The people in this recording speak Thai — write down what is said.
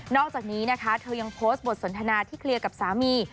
อกจากนี้นะคะเธอยังโพสต์บทสนทนาที่เคลียร์กับสามี